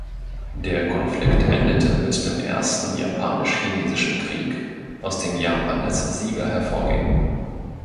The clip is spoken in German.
Der Konflikt endete mit dem ersten japanisch-chinesischen Krieg, aus dem Japan als Sieger hervorging.